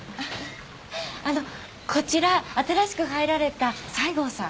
あのこちら新しく入られた西郷さん